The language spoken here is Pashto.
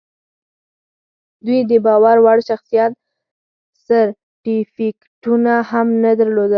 دوی د باور وړ شخصیت سرټیفیکټونه هم نه درلودل